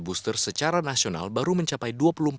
booster secara nasional baru mencapai